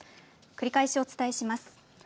繰り返し、お伝えします。